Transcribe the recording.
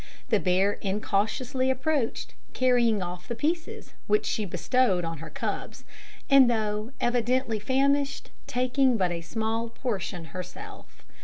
The bear incautiously approached, carrying off the pieces, which she bestowed on her cubs, and, though evidently famished, taking but a small portion herself.